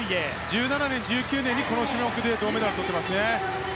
１７年、１９年にこの種目銅メダルをとってますね。